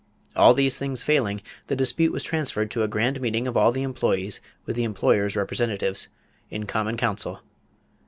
All these things failing, the dispute was transferred to a grand meeting of all the employees with the employers' representatives, in common council.